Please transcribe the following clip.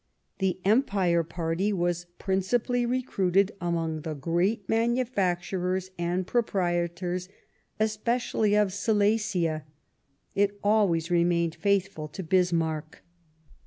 The Empire Party was principally recruited among the great manufacturers and proprietors, especially of Silesia. It always re mained faithful to Bismarck.